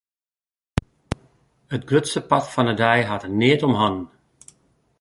It grutste part fan de dei hat er neat om hannen.